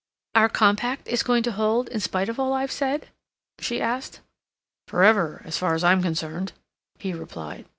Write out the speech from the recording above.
"Our compact is going to hold in spite of all I've said?" she asked. "For ever, so far as I'm concerned," he replied.